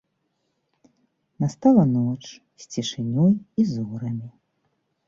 Настала ноч, з цішынёй і зорамі.